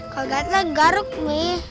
kalau gatel garuk mi